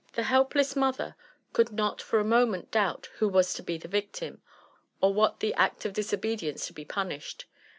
The helpless mother could not for a moment doubt who was to bo the victim, or what the act of disobedience to be punished.